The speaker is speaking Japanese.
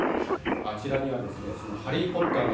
あちらにはその「ハリー・ポッター」の